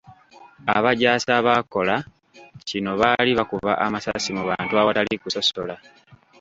Abajaasi abaakola kino baali bakuba amasasi mu bantu awatali kusosola.